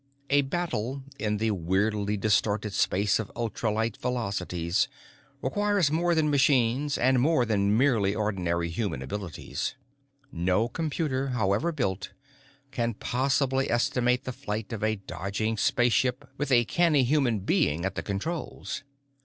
A battle in the weirdly distorted space of ultralight velocities requires more than machines and more than merely ordinary human abilities. No computer, however built, can possibly estimate the flight of a dodging spaceship with a canny human being at the controls.